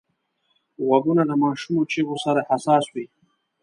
غوږونه د ماشومو چیغو سره حساس وي